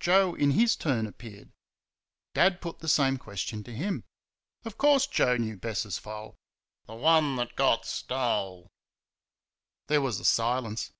Joe in his turn appeared. Dad put the same question to him. Of course Joe knew Bess's foal "the one that got stole." There was a silence.